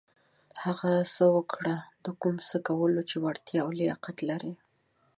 هغه څه وکړه د کوم څه کولو چې وړتېا او لياقت لرٸ.